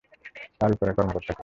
তার উপরের কর্মকর্তাকে।